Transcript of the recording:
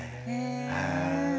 へえ。